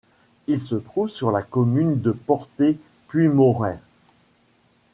Il se trouve sur la commune de Porté-Puymorens.